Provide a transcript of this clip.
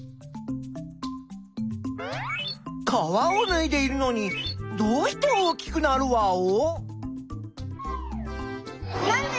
皮をぬいでいるのにどうして大きくなるワオ？